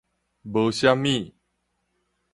無啥物